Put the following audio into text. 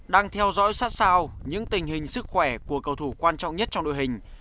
đang theo dõi sát sao những tình hình sức khỏe của cầu thủ quan trọng nhất trong đội hình